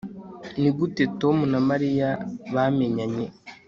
nigute tom na mariya bamenyanye